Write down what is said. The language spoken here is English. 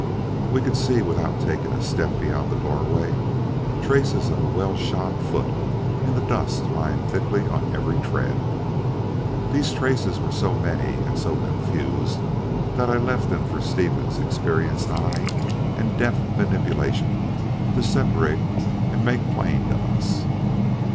We could see, without taking a step beyond the doorway, traces of a well shod foot in the dust lying thickly on every tread. These traces were so many and so confused that I left them for Stevens' experienced eye and deft manipulation to separate and make plain to us.